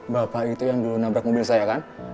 bapak itu yang dulu nabrak mobil saya kan